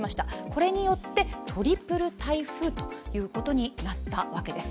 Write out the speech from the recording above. これによってトリプル台風ということになったわけです。